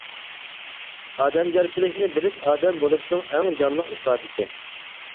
ئادەمگەرچىلىكنى بىلىش ئادەم بولۇشنىڭ ئەڭ جانلىق ئىپادىسى.